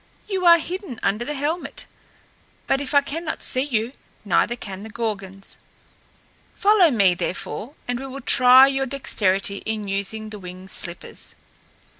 "You are hidden under the helmet. But if I cannot see you, neither can the Gorgons. Follow me, therefore, and we will try your dexterity in using the winged slippers."